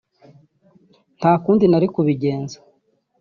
nta kundi nari kubigenza